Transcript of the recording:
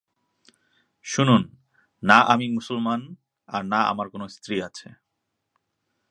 শুনুন, না আমি মুসলমান আর না আমার কোন স্ত্রী আছে।